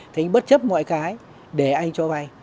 thì anh bất chấp mọi cái để anh cho vay